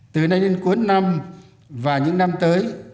từ nay đến cuối năm và những năm tới